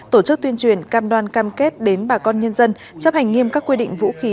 tổ chức tuyên truyền cam đoan cam kết đến bà con nhân dân chấp hành nghiêm các quy định vũ khí